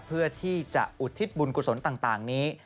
เพื่อที่จะอุทิศบุญกุศลต่างนี้